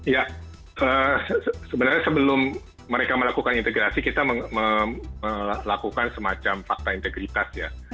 ya sebenarnya sebelum mereka melakukan integrasi kita melakukan semacam fakta integritas ya